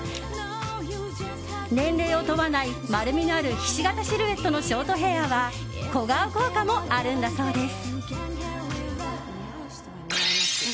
年齢を問わない、丸みのあるひし形シルエットのショートヘアは小顔効果もあるんだそうです。